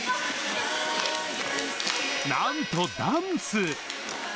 なんとダンス。